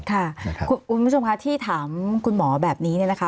คุณผู้ชมค่ะที่ถามคุณหมอแบบนี้เนี่ยนะคะ